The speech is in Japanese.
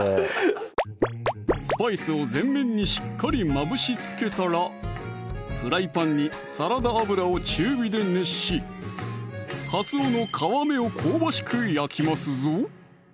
スパイスを全面にしっかりまぶし付けたらフライパンにサラダ油を中火で熱しかつおの皮目を香ばしく焼きますぞ